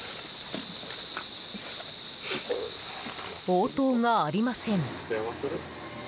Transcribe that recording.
応答がありません。